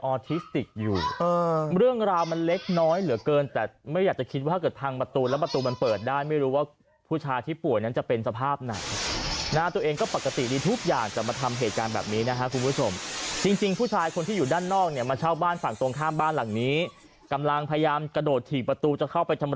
ติดอยู่เรื่องราวมันเล็กน้อยเหลือเกินแต่ไม่อยากจะคิดว่าถ้าเกิดพังประตูแล้วประตูมันเปิดได้ไม่รู้ว่าผู้ชายที่ป่วยนั้นจะเป็นสภาพไหนนะตัวเองก็ปกติดีทุกอย่างจะมาทำเหตุการณ์แบบนี้นะฮะคุณผู้ชมจริงผู้ชายคนที่อยู่ด้านนอกเนี่ยมาเช่าบ้านฝั่งตรงข้ามบ้านหลังนี้กำลังพยายามกระโดดถี่ประตูจะเข้าไปทำ